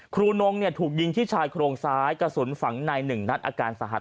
ครูนงเนี่ยถูกยิงที่ชายโครงซ้ายกระสุนฝังในหนึ่งนัดอาการสาหัส